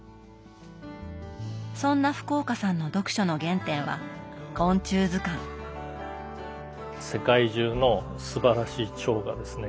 そんな福岡さんの読書の原点は世界中のすばらしいチョウがですね